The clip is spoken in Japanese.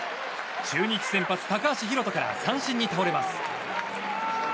中日先発、高橋宏斗から三振に倒れます。